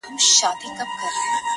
• ستا رګو ته د ننګ ویني نه دي تللي -